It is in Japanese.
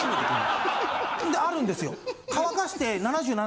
あるんですよ。